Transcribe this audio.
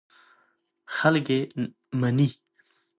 خلک یې مني.